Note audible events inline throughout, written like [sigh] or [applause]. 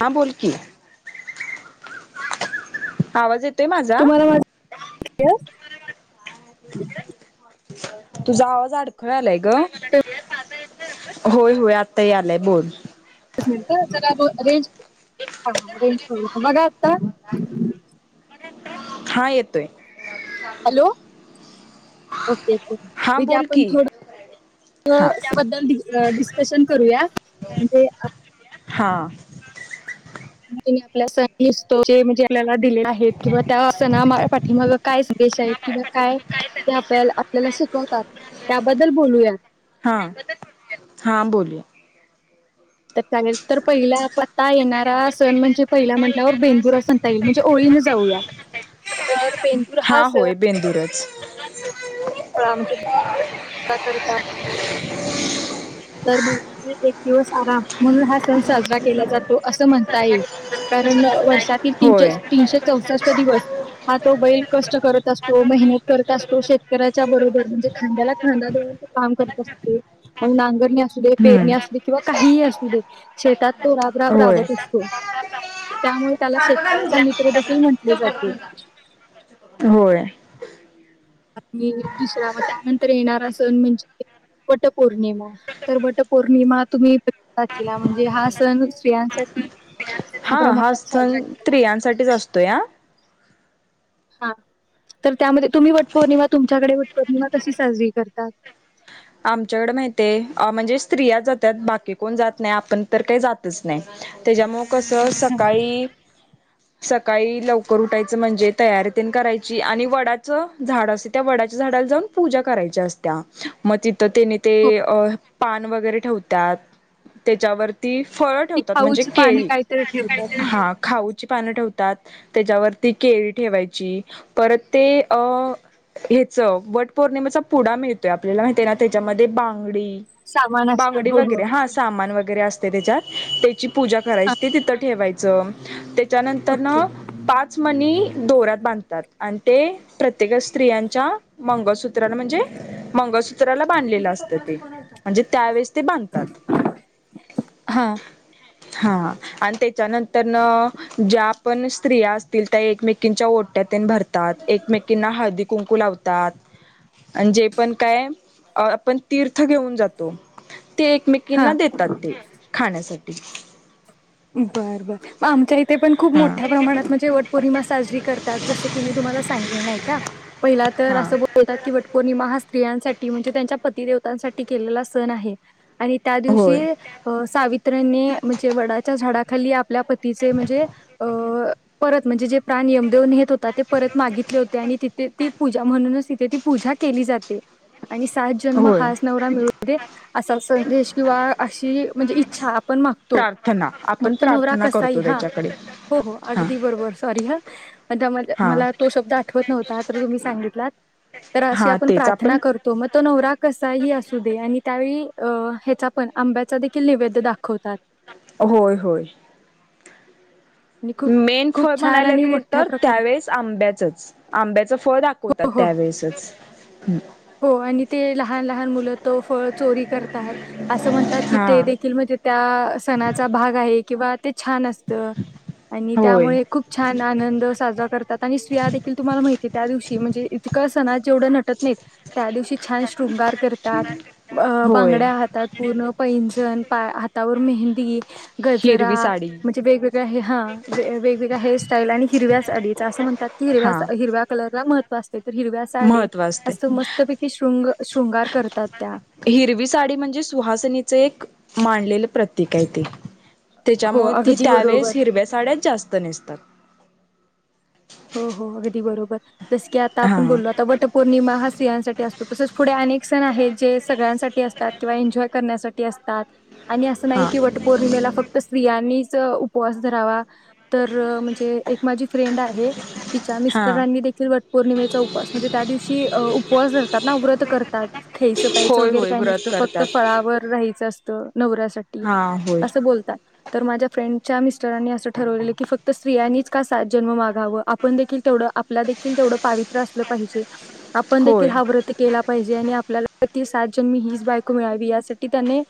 हां बोल की. [unintelligible] माझा [unintelligible] तुझा आवाज अडखळालाय ग. होय होय आता यालाय बोल. [unintelligible] हा येतोय. हॅलो, हा बोल आपण की थोड हा बद्दल डिस्कशन करूया म्हणजे हां म आपल्या स दिसतो जे म्हणजे आपल्याला दिले आहेत त्या असं ना माया पाठीमागं मग काय सदेश आहेत, किंवा काय ते आपल्या आपल्याला शिकवतात त्याबद्दल बोलूयात हां हां बोलूया तर चालेल तर पहिला पता येणारा सण म्हणजे पहिला म्हटल्यावर बेंदुरा सण, ताई येईल म्हणजे ओळीने जाऊया तर! बेंदूर हा होय बेंदूरच, ह [unintelligible] ह म्हचे [unintelligible] का करतात तर महिला एक दिवस आराम म्हणून हा सण साजरा केला जातो असं म्हणता येईल कारण वर्षातील तीशे होय तीनशे चौसष्ट दिवस हा तो बैल कष्ट करत असतो, मेहनत करत असतो, शेतकऱ्याच्या बरोबर- म्हणजे खांद्याला खांदा काम करत असतो नांगर णी असू दे पेरणी हम्म असू दे किंवा काही असू दे शेतात तो राग राग होय राबत असतो, त्यामुळे त्याला शेतकऱ्याचा मित्र देखील म्हटले जाते. होय आणि दुसरा म त्यानंतर येणारा सण म्हणजे वटपौर्णिमा तर वटपौर्णिमा तुम्ही वाचला म्हणजे हा सण स्त्रियांसाठी- ह मोठ्या हा प्रमाणात सण साजरा केला स्त्रियांसाठीच जातो. असतोय या हा तर त्यामध्ये तुम्ही वटपौर्णिमा तुमच्याकडे वटपौर्णिमा कशी साजरी करतात? आमच्याकडे माहिते आहे, म्हणजे स्त्रिया जातात बाकी कोण जात नाही आपण तर काही जातच नाही त्याज्यामुळ - कसं हा. सकाळी सकाळी लवकर उठायचं म्हणजे तयारीतन करायची आणि वडाचं झाड असते, त्या वडाच्या झाडाला जाऊन पूजा करायच्या असत्या मतीत तर तेने ते हो पान वगैरे ठेवत त्यात त्याच्यावरती फळ ती ठेवतात म्हणजे खाऊची पानं केळी काहीतरी ठेवतात ना हा खाऊची पान ठेवतात त्याच्यावरती केळी ठेवायची, परत ते अ हेच वट पौर्णिमेचा पुडा मिळतोय- आपल्याला माहिती आहे ना, त्याच्यामध्ये बांगडी सामान असतं. बांगडी हो हो वगैरे हां सामान वगैरे असते त्याच्यात त [inaudible] ची पूजा करायची ते तिथं ठेवायची च ते त्यानंतरन ओके पाच मनी दौऱ्यात बांधतात आणि ते प्रत्येक स्त्रियांच्या मंगसूत्रला म्हणजे मंगळसूत्राला बांधलेलं असत ते, म्हणजे त्यावेेळेस ते बांधतात. हा आणि त्याच्यानंतर न ज्या पण स्त्रिया असतील त्या एकमेकींच्या ओटी भरतात, एकमेकीना हळदी कुंकू लावतात, अन् जे पण काय आपण तीर्थ घेऊन जातो ते हा एकमेकीना देतात ते, खाण्यासाठी. ठीक बर बर, म आमच्या इथे पण खूप हा मोठ्या प्रमाणात म्हणजे वटपौर्णिमा साजरी करतात, जस की मी तुम्हाला संगीन एका, पहिला तर हा असं बोलतात की वटपौर्णिमा हा स्त्री म्हणजे त्यांच्या पती देवतांसाठी ते केलेला सण आहे. आणि त्या होय दिवशी अ सावित्र्यानी म्हणजे वडा झाडा खाली आप आपल्या पतीचे म्हणजे अ परत म्हणजे जे प्राण यम देऊनेत हो हो ते परत मागितले होते आणि तिथे ती पूजा म्हणूनच तिथे ती पूजा केली जाते आणि सात जन्म होय हाच नवरा मिळू दे असा संदेश किंवा अशी म्हणजे इच्छा पण मागतो प्रार्थना मग आपण तो नवरा प्रार्थना कसाई करतो हा, त्याच्याकडे हो हा अगदी बरोबर, सॉरी हा [unintelligible] हा मला तो शब्द आठवत नव्हता तर तुम्ही सांगितलात तर अशी हा आपण तेच प्रार्थना करतो मग तो नवरा कसा ही असू दे आणि त्यावेळी अ ह्याचा पण आंब्याचा देखील निैवेद दाखवतात. होय होय आणि खूप मेन फळ खूप छान म्हणायला आणि गेले मोठ्या तर प्रकारे त्यावेेळेस आंब्याचच, आंब्याचं फळ दाखवतात हो हो त्यावेळेसच. हो आणि ते लहान लहान मुलं तो फळ चोरी करतात, असं म्हणतात की हा ते देखील म्हणजे त्या सणाचा भाग आहे किंवा ते छान असतं आणि होय त्यामुळे खूप छान आनंद साजरा करतात आणि स्त्रिया देखील तुम्हाला माहिती आहे त्या दिवशी म्हणजे इतक सणाज जेवढं नटत नाहीत त्या दिवशी छान शृंगार करतात अ होय बांगड्या हातात पूर्ण पैंजण पाय हातावर मेहंदी गजरा हिरवी साडी म्हणजे वेगवेगळ्या ह, वेगवेगळ्या हेअर साईल आणि हिरव्या साडीच, अस म्हणतात की हा हिरव्या कलरला महत्त्व ते तर हिरव्या साडे महत्त्व असते असं मस्त हिरवी साडी म्हणजे सुहासिनीच एक मांडलेलं प्रतीक आहे ते. हो तेच्यामुळे ती अगदी बरोबर त्यावेेळेस हिरव्या साड्याच जास्त नेसतात. हो हो, अगदी बरोबर. जस की आता आपण हा बोललो आता वटपौर्णिमा हा स्त्रियांसाठी असतो. तसेच पुढे अनेक सण आहेत जे सगळ्यांसाठी असतात किंवा एन्जॉय करण्यासाठी असतात. आणि असं नाही हा की वटपौर्णिमेला फक्त स्त्रियांनी च उपवास धरावा तर म्हणजे एक माझी फ्रेंड आहे. तिच्या हा मिस्टरांनी देखील वट पौर्णिमेचा उपवास म्हणजे त्या दिवशी उपवास धरतात ना व्रत करतात. ख्यायचं प्यायचं होय वगैरे होय काही व्रत नसतं फक्त करतात फळावर राहायचं असतं. नवऱ्यासाठी हा होय असं बोलतात तर माझ्या फ्रेंड च्या मिस्टरांनी असं ठरवलेलं की फक्त स्तियांनीच का सात जन्म मागावं. आपण देखील तेवढं आपला देखील तेवढं पावित्र असलं पाहिजे. आपण देखील होय हा व्रत केला पाहिजे आणि आपल्याला प्रति सात जण मी हीच बायको मिळावी यासाठी त्याने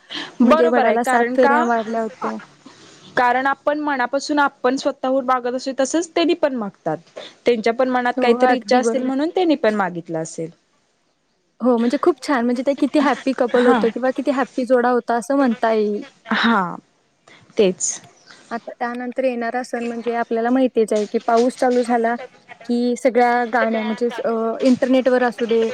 म्हणजे बरोबर आहे वडाला सात कारण का फेऱ्या मारल्या होत्या. कारण आपण मनापासून आप पण स्वतःहुन मागत अस तसच तेनी पण मागतात. त्यांच्या पण मनात हो काहीतरी इच्छा अगदी असतील बरोबर. म्हणून त्यांनी पण मागितलं असेल. हो म्हणजे खूप छान म्हणजे ते किती हॅपी कपल हा होतं किंवा किती हॅप जोडा होत हा तेच आता त्यानंतर येणारा सण म्हणजे आपल्याला माहितीच आहे की पाऊस चालू झाला कि सगळ्या गाण्या म्हणजेच इंटरनेटवर असू दे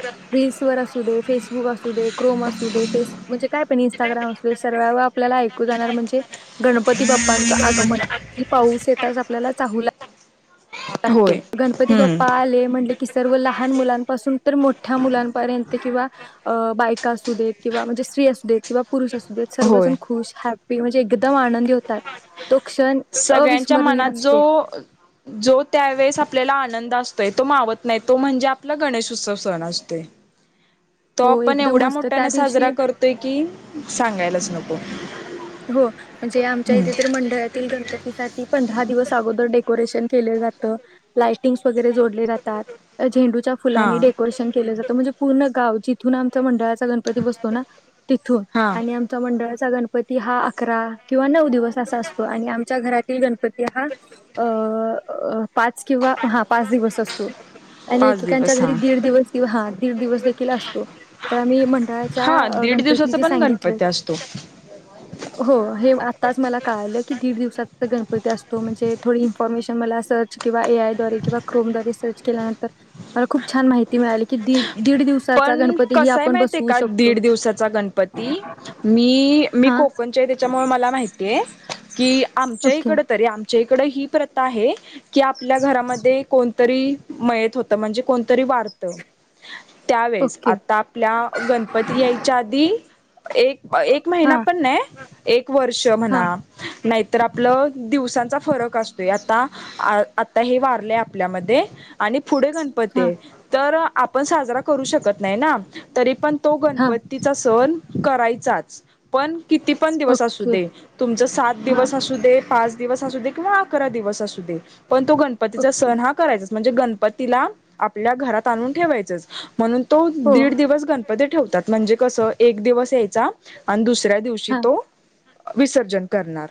स्वर असू दे, फेसबुक असू दे क्रोम असू दे, फेस म्हणजे काय पण इंस्टाग्राम असू दे सरळाव आपल्याला ऐकू जाणार म्हणजे गणपती बाप्पांचा आगमन ही पाऊस येता जात आपल्याला चाहूला लागते, होय गणपती हम्म बाप्पा आले म्हण कि सर्व लहान मुलांपासून तर मोठ्या मुलांपर्यंत किंवा बायका असू देत, किंवा म्हणजे स्त्री असू देत. किंवा पुरुष असू देत. होय सर्वजण खुश हॅ मी म्हणजे एकदम आनंदी हो सगळ्यांच्या मनात असतो जो- जो त्यावेेळेस आपल्याला आनंद असतोय, तो मावत नाही. तो म्हणजे आपला गणेश उत्सव सण असतोय. तो हो आपण एकदम एवढ्या मस्त त्या मोठ्याने साजरा दिवशी करतोय की- सांगायलाच नको. हो. म्हणजे आम- आमच्या इथ तर मंडळातील गणपती साठी- पंधरा दिवस अगोदर डेकोरेशन केल जात. लाय टिंग - वगेरे जोडले जातात झेंडूच्या हा फुलांनी डेकोरेशन केल जात म्हणजे पूर्ण गाव- तिथून आमचं मंडळा - गणपती बसतो ना तिथून हा आणि आमचा मंडळात - चा गणपत- दहा, अकरा किंवा नऊ- दिवस असा असतो आणि आमच्या घरात- [unintelligible] पती हा अ- अ. पाच किंवा हा पाच दिवस असतो. आणि पाच एकेकांच्या दिवस घरी हा दीड दिवस. हा -दीड दिवस देखील असतो. तर आम्ही हा मंडळाच्या दीड दिवसाचा गणपती पण सांगितलं- गणपती असतो हो. हे आताच मला कळालं की दीड दिवसात- गणपती असतो म्हणजे थोडि इन्फॉर्मेशन मला सर्च किंवा ए आय द्वारे किंवा क्रोम द्वारे सर्च केल्यानंतर मला खूप छान माहिती मिळाली की दीड- दिवसाचा पण, गणपती ही कसय आपण माहितीय बसवू का? शकतो दीड दिवसाचा गणपती- मी- मी हा कोकणचीय त्येच्यामुळे मला माहितीय. की आमच्या ओके इकड तरी आमच्या- इकड ही प्रथा आहे- की आपल्या घरामध्ये कोण- तरी मयत होत. म्हणजे कोणतरी वारत- त्यावेेळेस, ओके आत्ता आपल्या गणपती यायच्या आधी- एक -एक महिना हा पण नाय एक वर्ष हा म्हणा- नाही- तर आपलं दिवसांचा- फरक असतोय आता आता हे वारलंय आपल्यामध्ये आणि पुढे हा गणपतीय तर आपण साजरा करु शकत नाई ना तरी पण कू तो हा गणपतीचा सण करायचाच पण किती पण दिवस असू ओके दे तुमच सात हा दिवस असू दे पाच दिवस असू दे किंवा अकरा दिवस असू दे पण तो गणपतीचा ओके सण हा करायचाच म्हणजे गणपतीला आप आपल्या घरात आणून ठेवायचंच. म्हणून. तो हो दीड दिवस गण मध्ये ते ठेवतात म्हणजे, कसं एक दिवस यायचा दुसऱ्या तिसऱ्या दिवशी हा तो. विसर्जन करणार.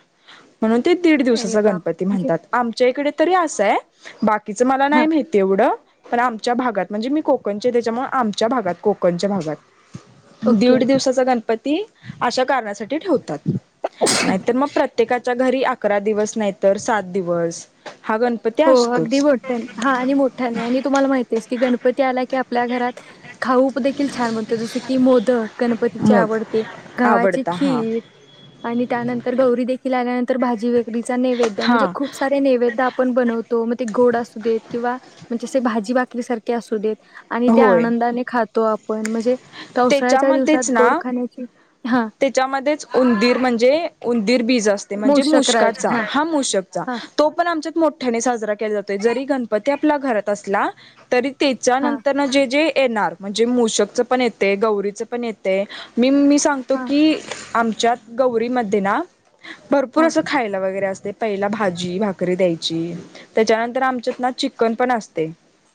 म्हणून ते दीड अरे दिवसाचा वा गणपती म्हणजे म्हणतात, आमच्या इकडे. तरी अस आहे बाकी. तिचं मला हा नाही माहिती, एवढं आमच्या भागात म्हणजे, मी कोकणची. त्याच्यामुळे आमच्या भागात कोक णच्या भागात ओके दीड दिवसाचा गणपती ती अशा कारणासाठी ठेवतात. नाहीतर मग प्रत्येकाच्या घरी अकरा दिवस, नाहीतर सात दिवस. हा गणपती हो अगदी असतोच मोठ्यानी हा आणि मोठानी, आणि तुम्हाला माहित आहे. की गणपती आप. आपल्या घरात खाऊ उपदेखील छान बनतोय, जस की मोदक गणपतीचे मोद आवडते, गव्हाचे आवडता हा खीर, आणि त्यानंतर गौरी देखील आल्यानंतर भाजी वकरीचा नैवेद्य, हा म्हणजे खूप सारे नैवेद. बनवतो मग ते गोड असू देत, किंवा म्हणजे भाजी बाकरी सारखे असू देत. आणि त्या होय आनंदाने खातो आप पण माझे. पावसाळ्याच्या दिवसात त्याच्यामध्येच गोड ना खाण्याची. हां, त्याच्यामध्येच उंदीर म्हणजे उंदीर बी मूळ म्हणजे शकराज मुकाचा हां, हा मुशकचा हां, तो पण आमच्यात मोठ्याने साजरा केला जातोय, जरी गणपती. आपला घरात असला तरी. त्याच्या हां, नंतर ना जे जे. येणार म्हणजे मषकच पण येते, गौरीच पण येते, मी मी. तो हां, की आम आमच्यात गौरीमध्ये ना. भरपूर हां, असं खायला वगैरे असत. ते पहिला भाजी भाकरी द्यायची, त्याच्यानंतर आमच्यात ना चिकन पण असते,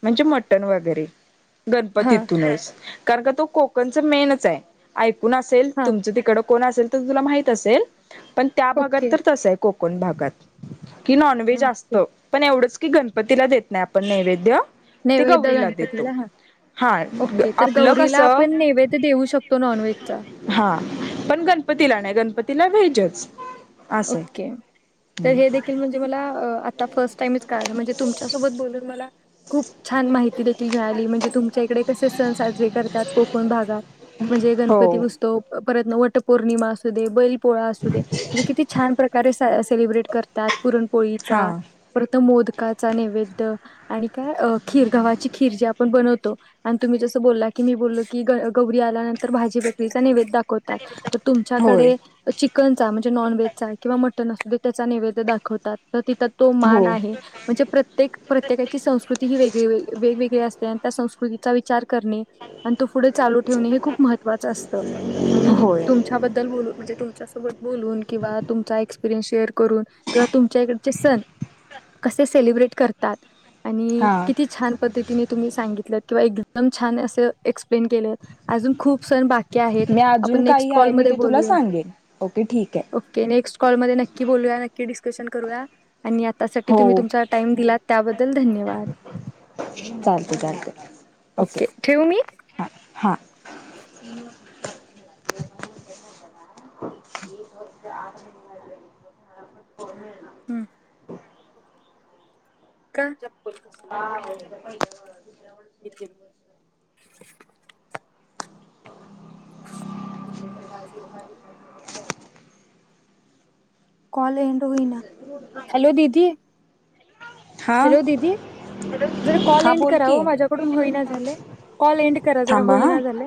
म्हणजे मटण वगैरे. हां, गणपतीतूनच. कारण का तो कोकणच मेनच आहे. ऐकून असेल. हां. तुमचं तिकडं कोण असेल तर तिला माहित असेल पण त्या भागात ओके, तर तसं कोकण कोकण भागात की नॉनव्हेज ओके. असत पण एवढंच की गणपतीला देत नाही आपण नैवेद्य ते नैवेद गौरीला देतो गणपतीला हा हा ओके तर आपलं गौरीला कसं आपण नैवेद्य देऊ शकतो नॉन व्हेजचा हा पण गणपतीला नाही गणपतीला व्हेजच असं आहे. ओके तर हे देखील म्हणजे मला अअ आता फर्स्ट टाईमच कळला म्हणजे तुमच्यासोबत बोलून मला खूप छान माहिती देखील मिळाली म्हणजे तुमच्याकडे कसे सण साजरे करतात कोकण भागात म्हणजे गणपती हो बसतो परत वट पौर्णिमा असु देत बैल पोळा असू दे म्हणजे किती तरी सेलिब्रेट करतात हा पुरणपोळीचा प्रथम मोदक काचा नैवेद आणि काय खीर गव्हाची खीर जी आपण बनवतो आणि तुम्ही जसं बोलला की मी बोलो की ग गौरी आल्यानंतर भाजी भाकरीचा नैवेद्य दाखतात तर होय तुमच्याकडे चिक कनचा म्हजे नाॅनव्हेज चालत ना मटन असल्या त्याचा नैवेद्य दाखवतात तर तिथं तो हो मान आहे म्हणजे प्रत्येक प्रत्येकाची संस्कृती ही वेग वेगवेगळी असत कोणत्या संस्कृतीचा विचार करणे पण तो पुढे चालू ठेवणे हे खुप महत्त्वाच असत आणि होय तुमच्या बद्दल बोलू म्हणजे तु च्या सोबत बोलून किंवा तुमचा एक्सस्पीरियन्स शेअर करून किंवा तुमच्याकडचे सण कसे सेलिब्रेट करतात आणि हा किती छान पद्धत तिने तुम्ही सांगितलंत किंवा एकदम छान असे एक्सप्लेन केलेत. अजून खूप सण बाकी आहेत. मी आपण अजून नेक्स्ट काही आहे मी कॉलमध्ये ते तुला बोलूया. सांगेन ओके ठीक आहे हो ते नेक्स्ट कॉल मध्ये नक्की बोलूया. ते डिस्कशन करूया. आणि आतासाठी हो तुम्ही तुमचा टाइम दिला त्याबद्दल धन्यवाद चालते चालते ओके ठेवू मी. हां हां [inaudible] हमम का? [inaudible] किटकिट [inaudible] [inaudible] कॉल एंड होईना हॅलो दीदी हां हॅलो दीदी जरा कॉल हां एंड बोल करा की हो माझ्याकडून होईना झाले कॉल एंड करा जरा थांबा हां होईना झाले.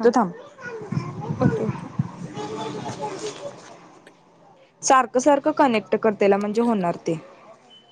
ह थांब ओके ओके सारखं सारखं कनेक्ट कर. त्याला म्हणजे होणार ते